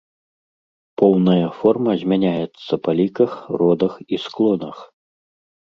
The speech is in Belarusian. Поўная форма змяняецца па ліках, родах і склонах.